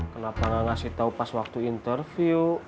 kenapa nggak ngasih tau pas waktu interview